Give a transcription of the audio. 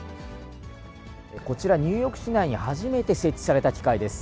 こちら、ニューヨーク市内に初めて設置された機械です。